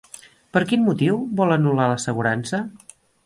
Per quin motiu vol anul·lar l'assegurança?